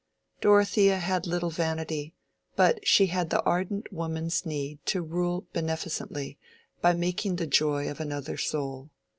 Dorothea had little vanity, but she had the ardent woman's need to rule beneficently by making the joy of another soul.